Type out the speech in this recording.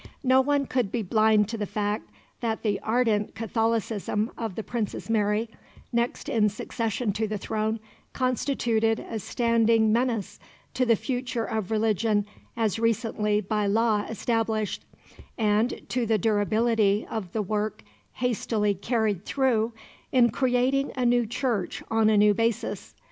No one could be blind to the fact that the ardent Catholicism of the Princess Mary, next in succession to the throne, constituted a standing menace to the future of religion as recently by law established, and to the durability of the work hastily carried through in creating a new Church on a new basis.